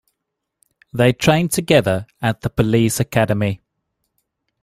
They trained together at the police academy.